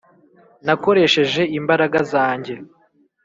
Nakoresheje imbaraga zanjye.